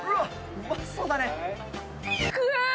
うまそうだね。